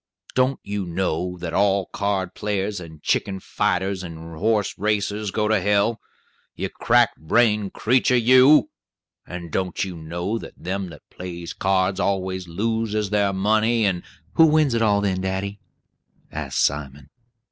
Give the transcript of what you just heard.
Don't you know that all card players and chicken fighters and horse racers go to hell? You crack brained creetur, you! And don't you know that them that plays cards always loses their money, and " "Who wins it all, then, daddy?" asked Simon.